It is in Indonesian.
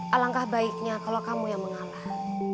alangkah baiknya kalau kamu yang mengalah